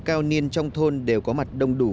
cao niên trong thôn đều có mặt đông đủ